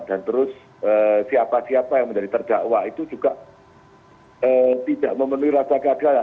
dan terus siapa siapa yang menjadi terdakwa itu juga tidak memenuhi rasa keadilan